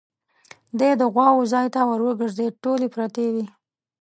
دی د غواوو ځای ته ور وګرځېد، ټولې پرتې وې.